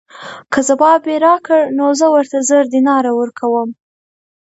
که ځواب یې راکړ نو زه ورته زر دیناره ورکووم.